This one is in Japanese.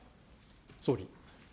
総理。